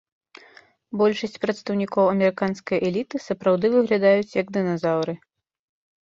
Большасць прадстаўнікоў амерыканскай эліты сапраўды выглядаюць як дыназаўры.